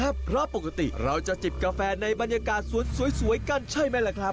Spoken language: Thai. เพราะปกติเราจะจิบกาแฟในบรรยากาศสวนสวยกันใช่ไหมล่ะครับ